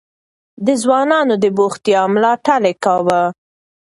د ځوانانو د بوختيا ملاتړ يې کاوه.